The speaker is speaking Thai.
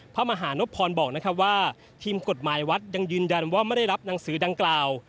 พระมหานพรบอกนะครับว่าทีมกฎหมายวัดยังยืนยันว่าไม่ได้รับหนังสือดังกล่าว